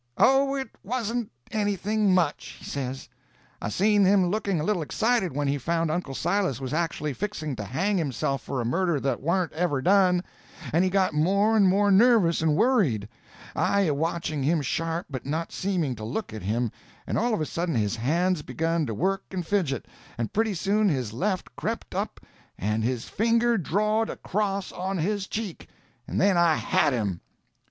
"Oh, it wasn't anything much," he says. "I seen him looking a little excited when he found Uncle Silas was actually fixing to hang himself for a murder that warn't ever done; and he got more and more nervous and worried, I a watching him sharp but not seeming to look at him—and all of a sudden his hands begun to work and fidget, and pretty soon his left crept up and his finger drawed a cross on his cheek, and then I had him!"